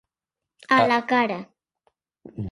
A la cara.